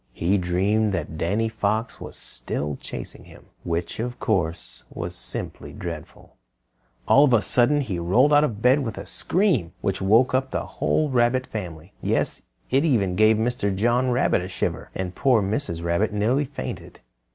He dreamed that Danny Fox was still chasing him, which, of course, was simply dreadful. All of a sudden, he rolled out of bed with a scream, which woke up the whole Rabbit Family. Yes, it even gave Mr. John Rabbit a shiver, and poor Mrs. Rabbit nearly fainted.